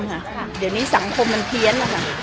เหลือนี้สังคมมันเพี้ยน